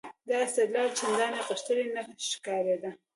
دا استدلال چندانې غښتلی نه ښکارېده.